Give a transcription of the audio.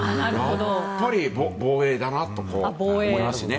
やっぱり防衛だなと思いますね。